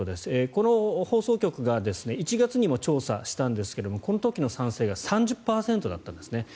この放送局が１月にも調査したんですがこの時の賛成が３０％だったんですね。